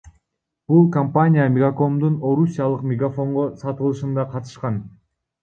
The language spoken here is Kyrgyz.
Бул компания Мегакомдун орусиялык Мегафонго сатылышында катышкан.